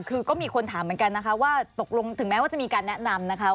คือก็มีคนถามเหมือนกันนะคะว่าตกลงถึงแม้ว่าจะมีการแนะนำนะคะ